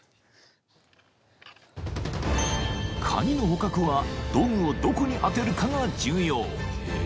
［カニの捕獲は道具をどこに当てるかが重要］